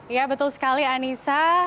ya betul sekali anissa